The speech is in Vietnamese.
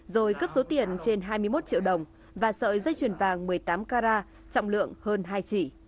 rồi cấp số tiền trên hai mươi một triệu đồng và sợi dây chuyền vàng một mươi tám carat trọng lượng hơn hai chỉ